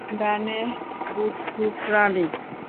ডানে, বুদ্ধু প্রাণী।